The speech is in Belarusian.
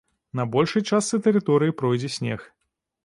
На большай частцы тэрыторыі пройдзе снег.